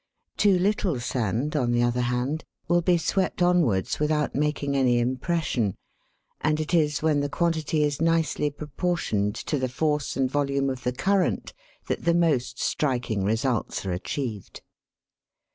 Too little sand, on the other hand, will be swept onwards without making any impression, and it is when the quantity is nicely proportioned to the force and volume of the current that the most striking results are achieved.